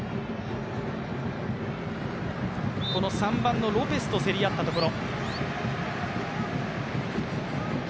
この３番のロペスと競り合ったところ。